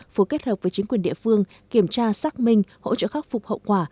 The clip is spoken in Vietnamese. phối kết hợp với chính quyền địa phương kiểm tra xác minh hỗ trợ khắc phục hậu quả